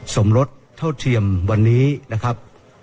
สมรสเท่าเทียมวันนี้นะครับ